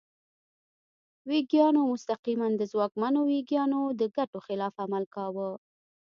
ویګیانو مستقیماً د ځواکمنو ویګیانو د ګټو خلاف عمل کاوه.